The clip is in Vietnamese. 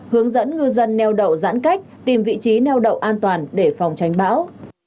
hướng dẫn ngư dân neo đậu giãn cách tìm vị trí neo đậu an toàn để phòng tránh bão